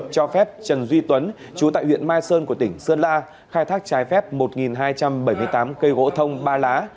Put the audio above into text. cho phép trần duy tuấn chú tại huyện mai sơn của tỉnh sơn la khai thác trái phép một hai trăm bảy mươi tám cây gỗ thông ba lá